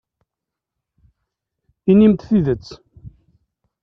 Inim-d tidet.